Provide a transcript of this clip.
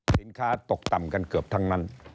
สินค้าตกต่ำกันเกือบทั้งนั้น